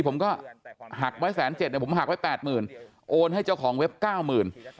ผมก็หักไว้แสนเจ็ดผมหักไว้แปดหมื่นโอนให้เจ้าของเว็บก้าวหมื่น